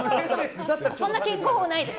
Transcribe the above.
そんな健康法ないです。